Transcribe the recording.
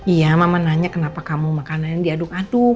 iya mama nanya kenapa kamu makanannya diaduk aduk